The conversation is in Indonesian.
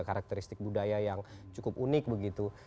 karakteristik budaya yang cukup unik begitu